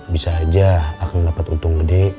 bisa aja akang dapat untung gede